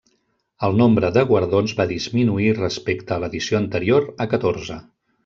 El nombre de guardons va disminuir respecte a l'edició anterior a catorze.